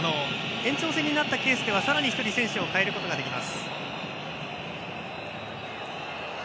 延長戦になったケースではさらに１人選手を代えることができます。